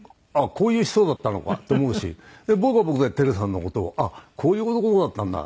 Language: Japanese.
こういう人だったのかと思うし僕は僕で輝さんの事をあっこういう男だったんだ